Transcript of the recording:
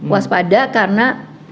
waspada karena